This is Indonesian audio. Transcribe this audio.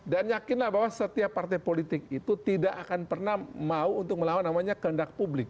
dan yakinlah bahwa setiap partai politik itu tidak akan pernah mau untuk melawan namanya kehendak publik